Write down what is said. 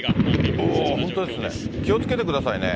今本当ですね、気をつけてくださいね。